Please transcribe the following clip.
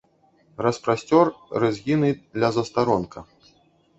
Распасцёр рэзгіны ля застаронка.